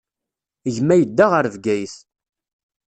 Gma yedda ɣer Bgayet.